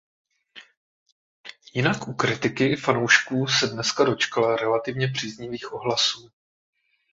Jinak u kritiky i fanoušků se deska dočkala relativně příznivých ohlasů.